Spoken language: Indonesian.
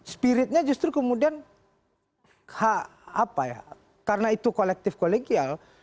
spiritnya justru kemudian apa ya karena itu kolektif kolegial